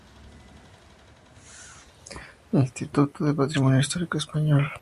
Instituto de Patrimonio Histórico Español